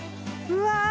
うわ！